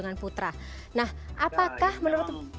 nah apakah menurut